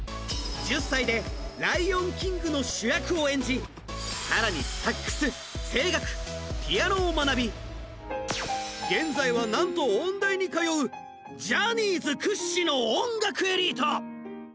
１０歳で「ライオンキング」の主役を演じ、更に、サックス、声楽、ピアノを学び現在はなんと音大に通うジャニーズ屈指の音楽エリート。